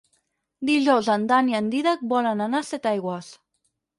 Dijous en Dan i en Dídac volen anar a Setaigües.